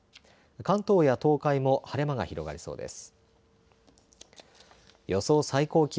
関東や東海も晴れ間が広がりそうです。